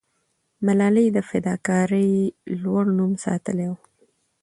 ملالۍ د فداکارۍ لوړ نوم ساتلې وو.